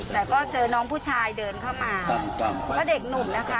แต่ก็เจอน้องผู้ชายเดินเข้ามาแล้วเด็กหนุ่มนะคะ